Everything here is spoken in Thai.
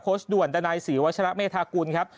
โค้ชด่วนดนัยศรีวชนะเมธากุลครับ